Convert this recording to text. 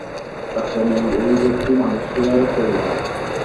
টাকা নিয়ে ওই ব্যক্তি মালয়েশিয়ায় চলে যান।